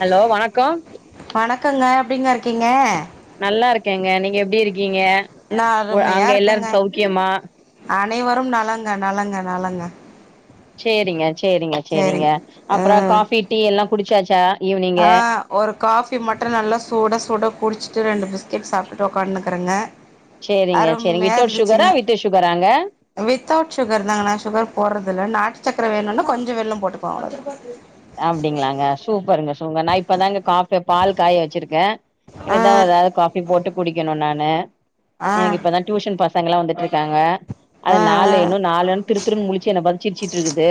Hello வணக்கோ வணக்கங்க எப்டிங்க இருக்கீங்க நல்லாருக்கேங்க நீங்க எப்டி இருக்கீங்க நா ஒ அருமையா அங்க எல்லாரு இருக்கங்க சௌக்கியமா அனைவரும் நலங்க நலங்க நலங்க சேரிங்க சேரிங்க சேரிங்க அப்றோ காஃபி டீ எல்லா குடிச்சாச்சா ஈவினிங்கு ஆ ஒரு காஃபி மட்டு நல்லா சூட சுட குடிச்சிட்டு ரெண்டு பிஸ்கெட் சாப்ட்டுட்டு ஒக்கானுக்குறேங்க சேரிங்க சேரிங்க வித்தவுட் ஷூகரா வித்து ஷுகராங்க வித்தவுட் ஷூகர் தாங்க நா ஷூகர் போர்றது இல நாட்டு சக்கர வேணுனா கொஞ்சோ வெல்லோ போட்டுக்குவோ அவ்ள தா அப்டிங்களாங்க சூப்பருங்க சூ நா இப்ப தாங்க காஃபி பால் காய வச்சிருக்கே ஆ இனிதா எதாது காஃபி போட்டு குடிக்கணு நானு ஆ எனக்கு இப்பதா டியூஷன் பசங்கலா வந்துட்ருக்காங்க அது ஆ நாலு இன்னு நாலுன் திருத்திறுன் முழச்சு என்ன பாத்து‌ சிரிச்சிட்டு இருக்குது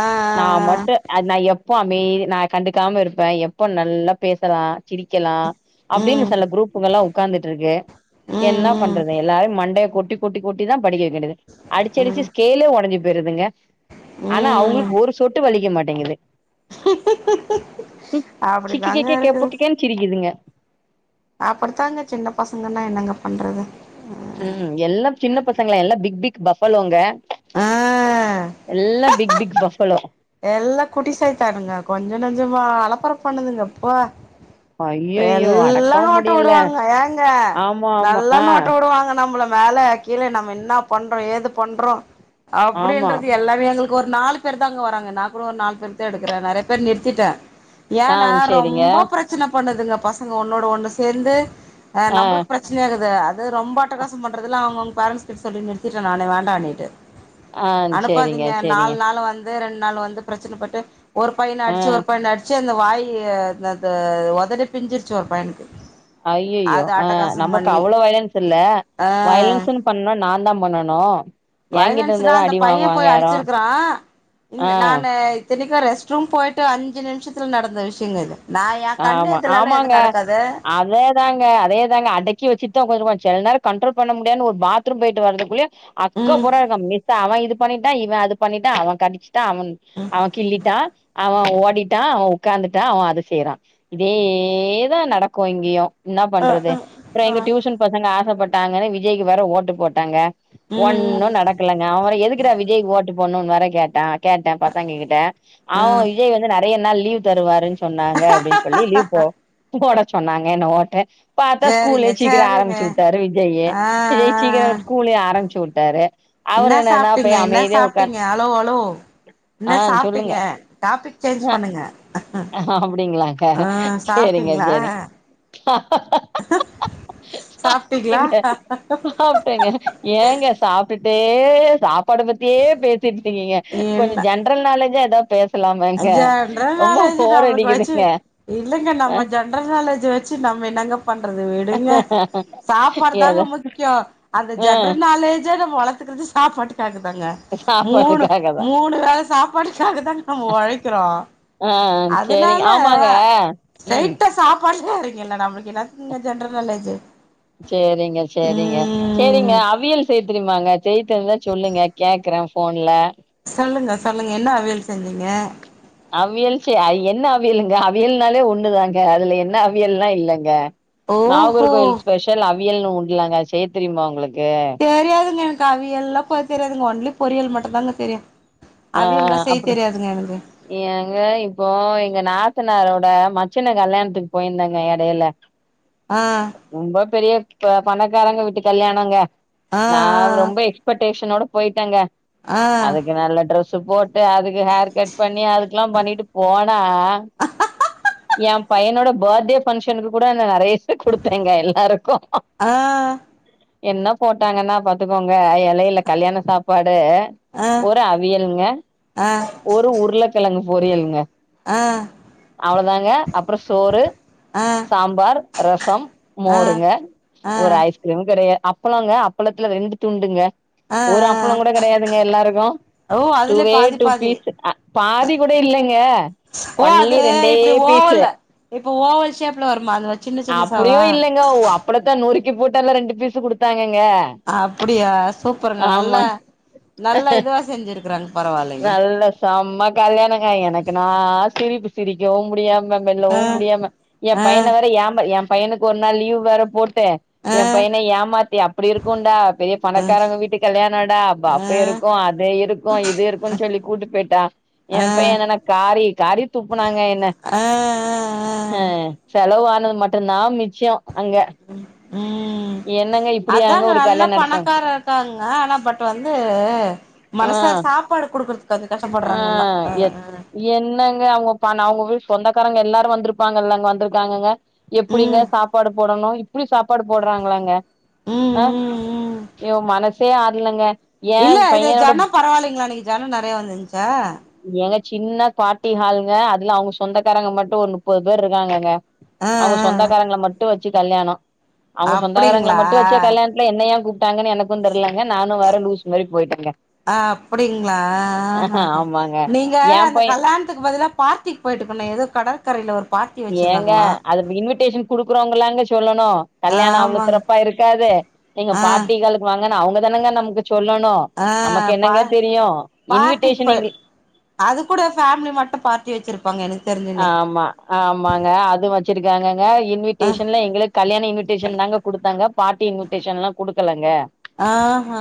ஆ ஆ ஆ ஆ நா மட்டு அது நா எப்ப அமைதி நா கண்டுக்காம இருப்பே எப்போ நல்லா பேசலா சிரிக்கலா அப்டின்னு ம் சில குரூப்புகள்லா உக்காந்துட்டுருக்கு என்ன ம் பண்றது எல்லாரையு மண்டைய கொட்டி கொட்டிகொட்டி தா படிக்க வெக்க வேண்டிது அடிச்சடிச்சு ம் ஸ்கேலே ஒடஞ்சி போயிருதுங்க ஆனா ம் ம் அவங்களுக்கு ஒரு சொட்டு வலிக்க மாட் டிங்குது ம் சிக்கிக்கே அப்டிதாங்க கேகேப்பகே கேன்னு சிரிக்குதுங்க அப்படித்தாங்க சின்ன பசங்கனா என்னங்க பண்றது ம் எல்லா சின்ன பசங்களா எல்லா பிக் பிக் பஃபல்லோங்க ஆ எல்லா பிக் பிக் பஃபளோ எல்லா குட்டிசைத்தானுங்க கொஞ்ச நெஞ்சமா அலப்பர பண்ணுதுங்க ப்பா ஐயையோ எல்லா அடக்கவு நோட்ட முடியல வுடுவாங்க ஏங்க ஆமா ஆமா நல்லா ஆ நோட்ட வுடுவாங்க நம்மள மேல கீழ நம்ம ன்னா பண்றோ ஏது பண்றோ ஆமா அப்டின்றது எல்லாமே எங்களுக்கு ஒரு நாலு பேர் தாங்க நா கூடோ ஒரு நாலு பேருத்தா எடுக்கற நெறைய பேர் நிறுத்திட்டே ஆ ஏனா சேரிங்க ரொம்போ பிரச் சன பண்ணுதுங்க பசங்க ஒன்னோட ஒண்ணு சேந்து அ ஆ நம்ளுக்கு ஆ பிரச் சினையாகிது அது ரொம்ப அட்டகாசோ பண்றதெல்ல அவங்கவங்க பேரண்ட்ஸ் கிட்ட சொல்லி நிறுத்திட்டே நானே வேண்டான்னிட்டு ஆ சேரிங்க அனுப்பாதீங்க சேரிங்க நாலு நாள் வந் து ரெண்டு நாள் வந்து பிரச்சனைப்பட்டு ஒரு பையன ஆ அடிச்சு ஒரு பையன அடிச் ச்சி அந்த வாயி த த உதடே பிஞ்சிருச்சி ஒரு பையனுக்கு ஐய்யயோ அது ஆ அட்டகாசம் நமக்கு பண்ணி அவ்ளோ வைலன்ஸ் இல்ல ஆ வைலன்ஸ்ன்னு பண்ணா நாந் தா பண்ணனு என்கிட்ட வயலன்ஸ்னா இருந்துதா அந்த அடி பைய வாங்குவாங்க போய் யாரு அடிச்சிருக்கிறா இந் ஆ நானு இத்தினிக்கு ரெஸ்ட் ரூம் போயிட்டு அஞ்சு நிம்ஷத்துல நடந்த விஷயங்க இது நா என் கண்ணெருர்ல லா எதுவு நடக்காது ங்க அதே தாங்க அடக்கி வெச்சிட் தா வருவ செல நேரோ கண்ட்ரோல் பண்ண முடியாதுனு ஒரு பாத்ரூம் போயிட்டு வரதுக்குள்யோ அக்கப் ம் போற இருக்கு மிஸ் அவ இது பண்ணிட்டா இவ அது பண்ணிட்டா அவ கடிச்சி டா அவன் அவ கிள்ளிட்டா அவன் ஓடிட்டா அவ உக்காந்துட்டா அவ அத செய்றா இதேதா நடக்கும் இங்கியு ன்னா பண்றது அப்புறோ எங்க டியூஷன் பசங்க ஆசைப்பட்டாங்கன்னு விஜய்க்கு வேற ஓட்டு போட்டாங்க ம் ஒன்னு ம் நடக் ல்லங்க அவ வேற எதுக்குடா விஜய்க்கு ஓட்டு ப்னு வேற கேட்ட கேட்ட பசங்ககிட்ட அவ ம் விஜய் வந் நெறைய நாள் லீவ் தருவாருன்னு சொன்னாங்க அப்டின்னு சொல்லி லீவ் போ போட சொன்னாங்க என்ன ஓட்ட பாத்தா ஸ்கூலே சேரிங்க சீக்கிரோ சேரிங்க ஆரம்பிச்சிவுட்டாரு விஜய்யி ஆ விஜய் சீக்கரோ ஸ்கூலே ஆரம்பிச்சுட்டாரு ன்ன சாப்ட்டீங்க ன்ன சாப்ட்டீங்க அலோ அலோ ஆ ன்னா சொல்லுங்க சாப்ட்டீங்க டாபிக் சேஞ்ச் பண்ணுங்க அப்படிங்களாக ஆ செரிங்க சாப்ட்டீங்களா செரி சாப்ட்டீங்களா சாப்ட்டேங்க சாப்ட்டேங்க ஏங்க சாப்ட்டுட்டே சாப்பாட பத்தியே பேசட்டுருக்கீங்க கொஞ்ச இல்ல ஜன் ஜென்ரல் நாலேஜா ஏதாவ்து பேசலாமேங்க ஜென்ரல் ரொம்ப நாலேஜ் போர் அடிக்குதுங்க அ ஜென்ரல்நாலேஜ்ஜ வெச்சு நம்ம என்னாங்க பண்றது விடுங்க சாப்பாடுதாங்க ஏதோ முக்கியோ அந்த ஆ ஜென்ரல் நாலேஜே நம்ம வளத்துக்கறது சாப்பாட்டுக்காக தாங்க மூணு சாப்பாட்டுக்காகதா மூணு வேல சாப்பாட்டுக்காக தாங்க நம்ம உழைக்கிறோ ஆ சேரிங்க அதனால ஆமாங்க ம் ஸ்ரெய்ட்டா சாப் [unintelligible] றீங்கல்ல நம்புளுக்கு என்னாத்துக்கங்க ஜென்ரல் நாலேஜு செரிங்க செரிங்க செரிங்க ம் அவியல் செய்ய தெரிமாங்க செய்யத் தெரிஞ்சா சொல்லுங்க கேக்கறே போன்ல சொல்லுங்க சொல்லுங்க ன்னா அவியல் செஞ்சீங்க அவியல் சரி என்ன அவியலுங்க அவியல்னாலே ஒண்ணுதாங்க அதுல என்ன அவியல்னா இல்லங்க ஓஹோ நாகர்க கோவில் ஸ்பெஷல் அவியல்னு உண்டுலாங்க அது செய்ய தெரியமா உங்களுக்கு தெரியாதுங்க அவவியல்ல்லா செய்ய தெரியாதுங்க ஒன்லி பொரியல் மட்டுதாங்க தெரியும் அவியல்ல்லா செய்ய தெரியாதுங்க எனக்கு எங்க இப்போ எங்க நாத்தனாரோட மச்சன கல்யாணத்துக்கு போயிருந்தாங்க இடையில ஆ ரொம்ப பெரிய பணக்காரங்க வீட்டு கல்யாணங்க ஆ நா ரொம்ப எச்பெக்டேஷன் ஓட போயிட்டாங்க ஆ அதுக்கு நல்ல டிரெஸ் போட்டு அதுக்கு ஹேர் கட் பண்ணி அதுக்கு ல்லா பண்ணிட்டு போனா எ பையனோட பர்த்டே ஃபங்க்ஷனுக்கு கூட நிறைய குடுத்தேங்க எல்லாருக்கு ஆ என்ன போட்டாங்கன்னா பாத்துக்கோங்க இலையில கல்யாண சாப்பாடு ஆ ஒரு அவியலுங்க ஆ ஒரு உருள கிழங்கு பொரியலுங்க ஆ ஆ அவ்வளவுதாங்க அப்புறம் சோறு ஆ சாம்பார் ரசம் ஆ மோருங்க ஒரு ஆ ஐஸ்கிரீம் கிடையாது அப்பளம்ங்க அப்பளத்துல ரெண்டு துண்டுங்க ஆ ஆ ஒரு அப்பளும் கூட கிடையாதுங்க எல்லாருக்கு ஓ அதுலே டுவே பாதி டு பாதி பீஸ் பாதி கூட இல்லங்க ஓ அது ஒன்லி ரெண்டே இப்டி பீஸ் ஓவல்ல இப்ப ஓவல் செப்ல வருமா அது அப்படியும் இல்லைங்க ஓ அப்பளத்தா நொறுக்கி போட்டு ரெண்டு பீஸ் குடுத்தாங்கங்க அப்படியா சூப்பருங்க ஆமா நல்லா நல்லா இதுவ செஞ்சிருக்குறாங்க பரவளைங்க நல்ல செம்ம கல்யாணங்கா எனக்கு நா சிரிப்பு சிரிக்கவு முடியா மெல்லவு ஆ முடியாம எ ஆ பையன வேற எ பையனுக்கு ஒரு நாள் லீவ் வேற போட்டே ஆ எ பையன ஏமாத்தி அப்டி இருக்கும்டா பெரிய ஆ பணக்காரங்க வீட்டு கல்யாணம்டா அப்ப ஆ இருக்கு அது இருக்கு இது இருக்குன்னு சொல்லி கூட்டு போயிட்ட எ ஆ பைய என்னன்னா காரி காரி துப்புனாங்க என்ன ஆ ஆ அ செலவானது மட்டம்தா மிச்ச அங்க ம் என்னங்க இப்படியாங்க அதாங்க ஒரு நல்லா கல்யாண நடத்துவாங்க பணக்கார இருக்காங்க ஆனா பட் வந்து ஆ மனசா சாப்பாடு குடுக்குறதுக்கு வந்து ஆ கஷ்டப்படுறாங்க எல்லா எத் ஆ என்னங்க அவங்க அவங்க வீட்டு சொந்தக்காரங்க எல்லாரு வந்திருப்பாங்க இல்லங்க வந்திருக்காங்க எப்டிங்க ம் சாப்பாடு போடணும் இப்டி சாப்பாடு போடுறாங்களாங்க ம் அ ம் ம் எ மனசே ஆரலங்க இல்ல இது ஜனம் பரவாயில்லைங்களா ஜன நிறைய வந்துந்துச்சா எங்க சின்ன பார்ட்டி ஹாலுங்க அதுல அவங்க சொந்தக்காரங்க மட்டு ஒரு முப்பது பேர் இருக்காங்கங்க ஆ அவங்க ஆ சொந்தக்காரங்கள மட்டு வச்சு கல்யாணம் அவங்க சொந்தகரங்க அப்டிங்களா மட்டு வச்ச கல்யாண என்ன ஏ கூப்ட்டாங்க எனக்கு தெரிலேங்க நானு வேற லூசு மாரி போய்ட்டு இருக்க ஆ அப்டிங்களா ஆஹஹ. ஆமா நீங்க அந்த கல்யாணத்துக்கு பதுல பார்ட்டிக்கு போயிட்டுக்க ஏதோ கடற்கரையில ஒரு பார்ட்டி ஏங்க வச்சிருந்தாங்களா அது இன்விடேஷன் குடுக்குறோங்கல் தான சொல்லணு கல்யாண அவ்வளவு ஆமாங்க சிறப்பா இருக்காது நீங்க ஆ பார்ட்டி ஹால் வாங்கன்னு அவங்க தான நமக்கு சொல்லணு ஆ நமக்கு பா என்னங்க தெரியு பார்ட்டிக்கு இன்விட்டேஷன் போய் அது கூட ஃபேமிலி மட்டு பார்ட்டி வச்சிரு பாங்க எனக்கு தெரி்ஞ்சு ஆமா ஆமாங்க அது வச்சிருக்காங்கங்க ஆ இன்விட்டேஷன்ல எங்களுக்கு கல்யாண இன்விட்டேஷன் தாங்க குடுத்தாங்க பார்ட்டி இன்விட்டேஷன் எல்லா குடுக்கலங்க ஆஹ்ஹா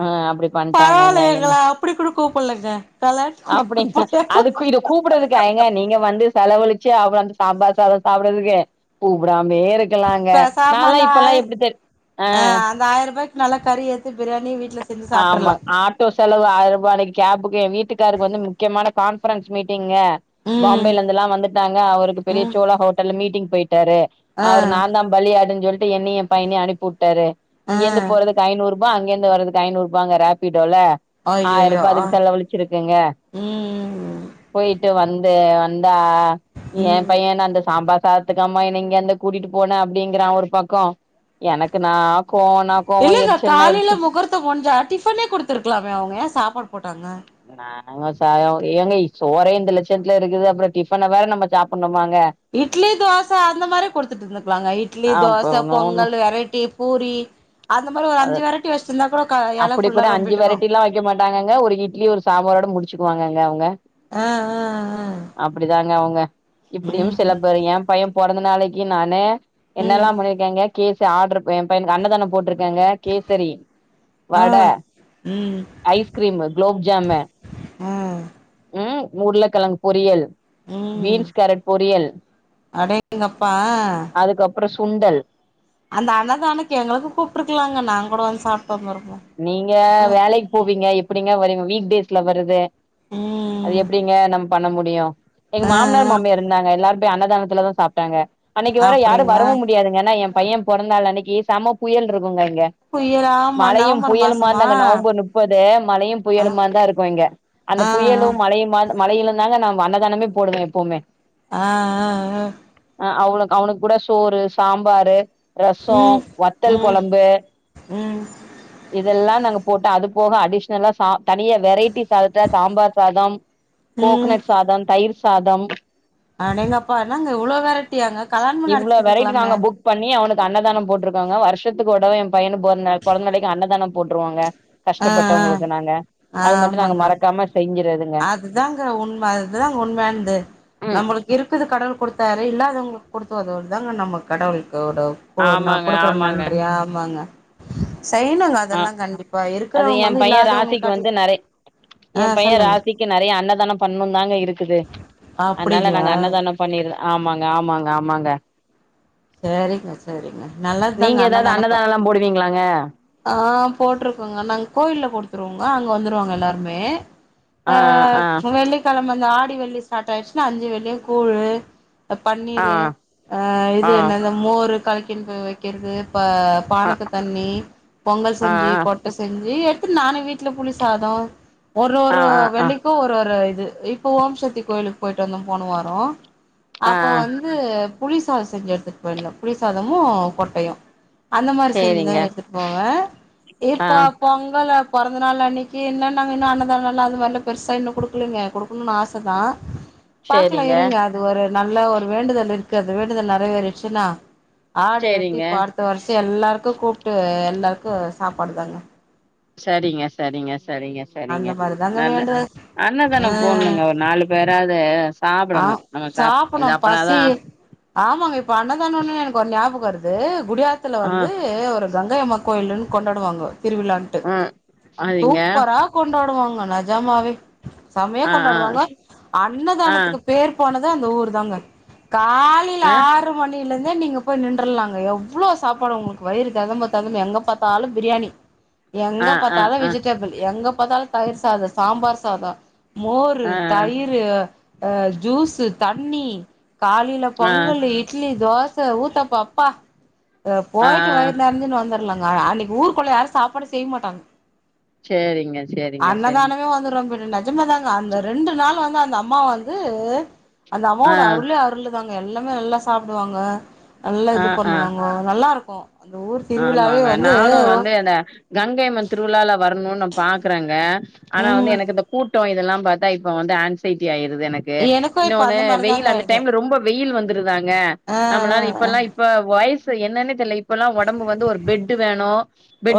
ஆ அப்டி பண்ட்டாங்கங்க பரவாயில்லங்க எங்கள என்ன அப்டி கூட கூப்ட்லேங்க கல்யாண்த்க்கு குடுத் கூப்ட் கூப் டாங்கோ கூப்ட்டதுக்கா ஏங்க நீ இங்க வந்து செலவழிச்சு அப்றோ அந்த சாம்பார் சாதோ சாப்ட்றதுக்கு கூப்டாமே இருக் கலாங்க பேசாம நல்லா அந்த இப்பல்லா ஆயிர எப்டி தெரி அ ஆ அந்த ஆயரூபாய் நல்லா கறி ஏத்து ப்ரியாணி வீட்ல செஞ்சு ஆமா சாப்ட்றலா ஆட் டோ செலவு ஆய ரூபா அன்னைக்கு கேபுக்கு ஏ வீட்டுக்காருக்கு வந்து முக்கியமான கான்ஃபரன்ஸ் மீட்டிங்க ம் பாம்பேலந்துல்லா வந்துட்டாங்க அவருக்கு பெரிய ம் சோழா ஹோட்டல் மீட்டிங் போயிட்டாரு ஆ அவர நாந்தா பலியாடு சொல்லிட்டு என்னயு ஏ பையனையு அனுப்பி வுட்டாரு ஆ இங்கிருந்து போறதுக்கு ஐநூர் ரூபா அங்கெருந்து வரதுக்கு ஐநூர் ரூபாங்க ரேப்பிடோல ஆயிர அய்யய்யோ ரூபா ஆ அதுக்கு செலவழிச்சுருக்குங்க ம் போய்ட்டு வந்தே வந்தா வ ஏ ம் பையனு அந்த சாம்பார் பாத்துக்கமா என இங்கந்து கூட்டி போன அப்டிங்குறா ஒரு பக்கோ எனக்குனா கோவோனா இல்லங்க காலைல முகூர்த்தோ முடுஞ்சா டிஃபனே குடுத்துருக்கலாமே அவுங்க ஏ சாப்பாடு போட்டாங்க நானு ஒ சாயோ ஏங்கய் சோறே இந்த லட்சணத்துல இருக்குது அப்புற டிஃபன வேற நம்ம சாப்ட்ணுமாங்க இட்லி தோச அந்த மாரி குடுத்துட்டு இருந்துக்கலாங்கஇட்லி அப்ப தோச ஒன்னு ஒன்னு பொங்கல் வெரைட்டி பூரி அந்த மாரி ஒரு அது அஞ்சு வெரட்டி வச்சுருந்தா கூட க இல ஃபுல்லா ரொம்பிட்டுக்கு திங்க மாட்டாங்ககங்க ஒரு இட்லி ஒரு சாம்பாரோட முடுச்சுக்குவாங்க அவுங்க அ அ அ அப்டி தாங்க அவுங்க இப்டியு சில பேரு ஏ பையே பொறந்த நாளைக்கு நானு ம் என்னெல்லா பண்ணியிருக்கேங்க கேஸ் ஆடர் எ பையனுக்கு அன்னதானோ போட்டிருக்கேங்க கேசரி ஆ வட ம் ஐஸ்கிரீமு குலோப்ஜாம்மு ஆ ம் உருளகெழங்கு பொரியல் ம் பீன்ஸ் கேரட் பொரியல் அடேங்கப்பா அதுக்கப்றோ சுண்டல் அந்த அன்னதானக்கு எங்களக்கு கூப்ட்டுருக்கலாங்க நாங் கூட வந்து சாப்ட்டு வந்ருப்போ நீங்க வேலைக்கு போவீங்க எப்டிங்க வருவீங வீக் டேஸ்ல வருது அது ம் எப்டிங்க நம்ம பண்ண முடியு எங்க ஆ மாமனார் மாமியார் இருந்தாங்க எல்லார் போய் அன்னதானத்ல தா சாப்ட்டாங்க அன்னைக்கு வர வேற யாரு வர அப்டிங்களா முடியாதுங்க ஆனா ஏ பையே பொறந்த நாள் அன்னைக்கு சம்ம புயல் இருக்குங்க இங்க புயலா ஆம்மா நா மழையு மா புயலுமாந்தாங்க நவம்பர் முப்பது மலையும் ஆ புயலுமா தா இருக்கு இங்க அந்த ஆ புயலு மழையுமா மழையில தாங்க நா அன்னதானமே போடுவே எப்போமே ஆ ஆ வோ அ அவனு அவனுக்கு கூட சோறு சாம்பாரு ரசோ ம் வத்தல் ம் கொழம்பு ம் இதெல்லா நாங்க போட்டோ அது போக அடிஷ்னலா சா தனியா வெரைட்டிஸ் சாதத்த சாம்பார் சாதம் ம் கோகனட் சாதம் தயிர் சாதம் அடேங்கப்பா என்னாங்க இவ்ளோ வெரட்டியாங்க கல்லாணமே இவ்ளோ நடத்திட்டு வெரைட்டி இருந்துக்கலாமே நாங்க புக் பண்ணி அவனுக்கு அன்னதானம் போட்டிருக்கோங்க வருஷத்துக்கு ஒரு தடவ ஏ பையனு பொறந்தநாளு பொறந்த நாளைக்கு அன்னதானம் போட்டுருவோங்க ஆ கஷ்டப்பட்டவங்களுக்கு நாங்க ஆ அது மட்டு நாங்க ஆமாங்க மறக்காம செய்ஞ்சிர்றது அதுதாங்க உண்ம அதுதாங்க உண்மயானது ம் நம்ளுக் இருக்குது கடவுள் கொடுத்தாரு இல்லாதவங்களுக்கு குடுத்து ஒதவுறதுதாங்க நம்ம கடவுளுக் கூடு இப்போ நா ஆமாங்க குடுக்குற ஆமாங்க நன்றியா ஆமாங்க செய்னுங்க ஆ அதெல்லா கண்டிப்பா அது இருக்கறவங்க என் வந்து பைய இல்லாதவங்க ராசிக்கு காட்டி ஆ சொல்லுங்க இங்க நெறைய அன்னதானம் பண்ணு தாங்க இருக்குது அதனால அப்படிங்களா நாங்க அன்னதானம் பண்ணிர்லா ஆமாங்க ஆமாங்க ஆமாங்க சேரிங்க சேரிங்க நல்லதுதாங்க நீங்க ஏதாவது அண்ணதானொ பா அன்னதானல்லா போடுவீங்களாங்க ஆ போட்ருக்கோங்க நாங்க கோயில்ல குடுத்துருவோங்க அங்க வந்துருவாங்க எல்லாருமே ஆ அ ஆ வெள்ளிக் கிழமல வந்து ஆடி வெள்ளி ஸ்டார்ட் ஆயிடுச்சுன்னா அஞ்சு வெள்ளியும் கூழு அ ஆ பன்னீரு ஆ இது ஆ அந்த மோர் கலக்கின் போய் வைக்கிறது ப ஆ பானக்கு தண்ணி பொங்கல் ஆ ஆ செஞ்சு கொ செஞ்சு எடுத்து நானும் வீட்ல புளி சாதம் ஒரு ஆ ஒரு ஆ ஆ வெள்ளிக்கும் ஒரு ஒரு இது இ இப்போ ஓம்சக்தி கோயிலுக்கு போயிட்டு வந்து போன வாரோ ஆ அப்போ வந்து புளி சாதொ செஞ்சு எடுத் த்துட்டு போய் இந்தோ புளி சாதமும் கொட்டையும் அந்த மாரி சேரிங்க செஞ்சுதான் எடுத்துட்டு போவேன் ஆ இப்பா பொங்கலு பொறந்த நாள் அன்னைக்கு இன்னு நாங்க இன்னு அன்னதான நாள் அதுமாரிலா பெருசா இன்னும் குடுக்கலைங்க குடுக் கனும்னு ஆச தா பாக்கலா சேரிங்க இருங்க அது ஒரு நல்ல ஒரு வேண்டுதல் இருக்கு அது வேண்டுதல் நெறை வேறிச்சுன்னா ஆடு வெட்டி சேரிங்க இப்போ அடுத்த வருஷம் எல்லாருக்கு கூப்ட்டு எல்லாருக்கு சாப்பாடு தாங்க சரிங்க சரிங்க சரிங்க சரிங்க அந்த மாரி தாங்க நல்ல வேண்டுதல் ஆ அண்ணதானொ போணுங்க ஒரு நாலு வேறாது ஆ சாப்டணும் நம்ம சாப் சாப்புட்ணு இது பசி அப்பறாதான் ஆமாங்க இப்ப அண்ணதானனுன்னு எனக்கு ஒரு ஞாபகம் வருது குடியாத்துல ஆ வந்து ஒரு கங்கை அம்மான் கோயில்னு கொண்டாடுவாங்க திருவிழான்ட்டு ஆ அதுங்க சூப்பரா கொண்டாடுவாங்க நஜமாவே சமையா ஆ ஆ கொண்டாடுவாங்க ஆ அன்னதானத்துக்கு பேர் போனது அந்த ஊர் தாங்க காலைல ஆ ஆ ஆறு மணில இருந்தே நீங்க போய் நின்றுர்லாங்க எவ்வளோ சாப்பாடு உங்ளுக்கு வயிறு தெகம்ப தெகம்ப எங்க பாத்தாலு பிரியாணி எங்க ஆ பாத்தாலு ஆ வெஜிடபிள் எங்க பாத்தாலு தயிர் சாதம் சாம்பார் சாதொம் மோரு, ஆ தயிரு, அ ஜூஸு, தண்ணி. காலையில ஆ ஆ பொங்கலு, இட்லி, தோ ச, ஊத்தப்பப்பா, அப்பா அ ஆ போயிட்டு வயிறு நெறஞ்சுனு வந்த னுங்க அன்னிக்கி ஊருக்குள்ள யாரு சாப்பாடு செய்ய மாட்டாங்க சேரிங்க செரி அன்னதானமே வந்துரு பெரியந நெஜமாதாங்க அந்த ரெண்டு நாள் வந்து அந்த அம்மா வந்து அந்த ஆ அம்மாவோட அருளே அருளு தாங்க எல்லாமே நல்லா சாப்டுவாங்க நல்லா ஆ இது ஆ பண்ணுவாங்கோ நல்லா இருக்கு அந்த ஊர் திருவிழாவே ஆமாங்க வந்து நானு ஒ [unintelligible] கங்கைம்மன் திருவிழால வரணு நா பாக்குறொங்க ஆனா வந்து ம் எனக்கு இந்த கூட் ட்டொ இதெல்லாம் பாத்தா இப்ப வந்து ஆன்சைட்டி ஆயிருது எனக்கு இப்ப இன்னொன்னு அந்த மாரிதாங்க வெயிலு அந்த ஆயிடுது டைம்ல ரொம்ப கூட்டொ வெயில் வந்திருதுதாங்க ஆ நம்ளால ஆ ஆ இப்பெல்லா இப்ப வயசு என்னன்னு தெரில இப்பல்லா ஒன் இப்ப வந்து ஒரு பெட்டு வேணு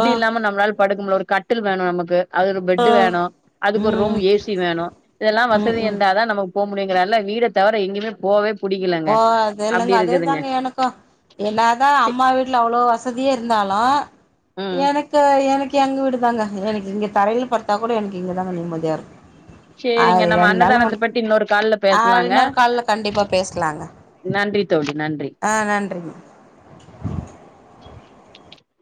ஓ இல்லாம நம்ளால படுக்க முடில ஒரு கட்டில் வேணு நமக்கு அது ஒரு ஓ பெட்டு வேணு அதுக்கு ஒரு ரூம் ம் ஏ சி வேணு இதெல்லா ம் வசதி ம் இருந்தாதா நமக் போ முடியுங்றால வீட தவிர எங்குமே போவே புடிக்கலங்க ஓ அது அப்டி இல்லங்க இருக்குதுங்க அதேதாங்க எனக்கு என்னா தா சி அம்மா வீட்ல அவ்ளோ வசதியே இருந்தாலு ம் எனக் கு எனக்கு எங்க வீடு தாங்க எனக்கு இங்கேக்ஷ தரைல படுத்தா கூட எனக்கு இங்க தாங்க நிம்மதியா இருக்கு சேரிங்க நம்ம அன்னதானத்த பத்தி இன்னொரு கால்ல பேச அ இன்னொரு கால்ல கண்டிப்பா பேசலாங்க நன்றி தோழி நன்றி ஆ நன்றிங்க